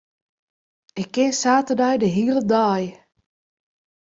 Ik kin saterdei de hiele dei.